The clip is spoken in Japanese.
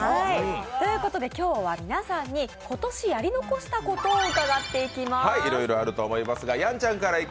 今日は皆さんに今年やり残したことを伺っていきます。